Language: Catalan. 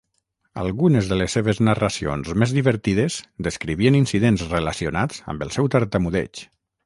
Algunes de les seves narracions més divertides descrivien incidents relacionats amb el seu tartamudeig.